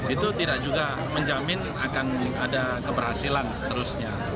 itu tidak juga menjamin akan ada keberhasilan seterusnya